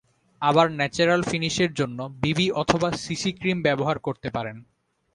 আবার ন্যাচারাল ফিনিশের জন্য বিবি অথবা সিসি ক্রিম ব্যবহার করতে পারেন।